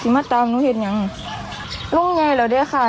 สิมาตามหนูเห็นยังลุงไงเหรอเดี๋ยวค่ะ